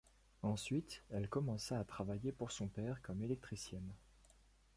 Ensuite, elle commença à travailler pour son père comme électricienne.